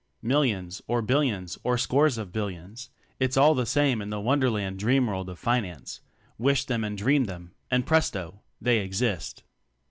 Millions or billions or scores of billions it's all the same in the wonderland dreamworld of "Finance": wish them and dream them, and presto! they exist.